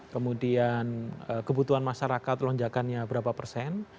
kemudian kebutuhan masyarakat lonjakannya berapa persen